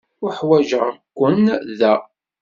Uḥwaǧeɣ-ken da.